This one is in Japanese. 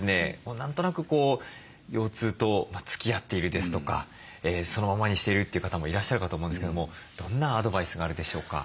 何となく腰痛とつきあっているですとかそのままにしているという方もいらっしゃるかと思うんですけどもどんなアドバイスがあるでしょうか？